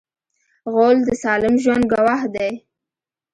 غول د سالم ژوند ګواه دی.